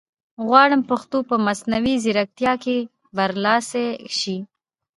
غواړم پښتو په مصنوعي ځیرکتیا کې برلاسې شي